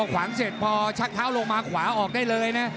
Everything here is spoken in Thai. ขวางเสร็จพอชักเท้าลงมาขวาออกได้เลยนะ